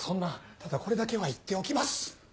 ただこれだけは言っておきます。